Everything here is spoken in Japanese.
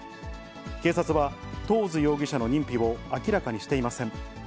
警察はトーズ容疑者の認否を明らかにしていません。